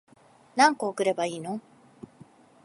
何個送ればいいの